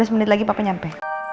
lima belas menit lagi papa nyampe